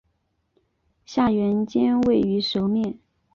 下原尖位于舌面。